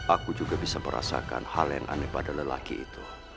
aku juga bisa merasakan hal yang aneh pada lelaki itu